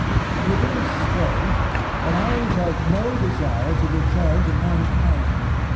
It is strange, but I felt no desire to return to mankind.